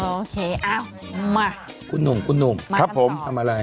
โอเคอ้าวมาคุณหนุ่มคุณหนุ่มครับผมทำอะไร